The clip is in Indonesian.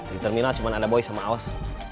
di terminal cuma ada boy sama aos